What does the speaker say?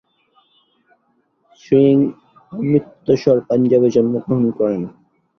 সিং অমৃতসর, পাঞ্জাবে জন্মগ্রহণ করেন।